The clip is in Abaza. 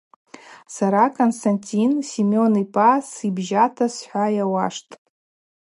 Сара Константин Семен йпа сибжьата схӏва йауаштӏ.